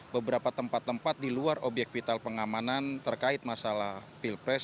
beberapa tempat tempat di luar obyek vital pengamanan terkait masalah pilpres